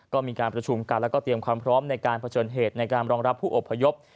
ก็มีการประชุมกันแล้วก็เตรียมความพร้อมในการเผชิญเหตุในการรองรับผู้อบพยพ